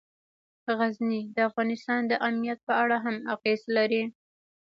غزني د افغانستان د امنیت په اړه هم اغېز لري.